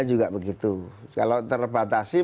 juga begitu kalau terbatasi